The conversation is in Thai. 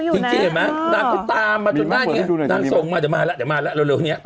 ตามมาจนด้านนางส่งมาเดี๋ยวมาเร็วเนี้ย